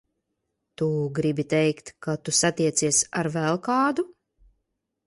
Tu gribi teikt, ka tu satiecies ar vēl kādu?